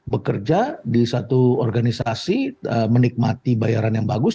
bekerja di satu organisasi menikmati bayaran yang bagus